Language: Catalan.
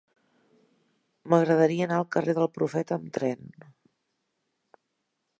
M'agradaria anar al carrer del Profeta amb tren.